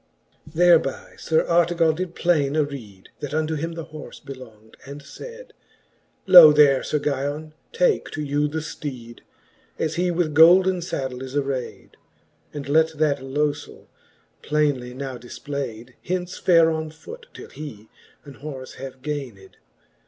XXXV. Thereby Sir Artegall d^\^ plaine areed. That unto him the horfe belong'd, and fayd; Lo there, Sir Guyon^ take to you the fleed, As he with golden faddle is arayd ; And let that lofell, plainely now difplayd, Hence fare on foot, till he an horfe have gayned.